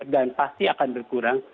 dan pasti akan berkurang